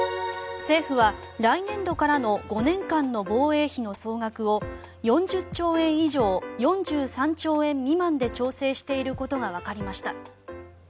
政府は来年度からの５年間の防衛費の総額を４０兆円以上４３兆円未満で調整していることがわかりました。